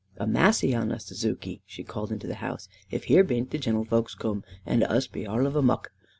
"A massy on us, Zuke," she called into the house, "if here bain't the genelvolks coom, and us be arl of a muck!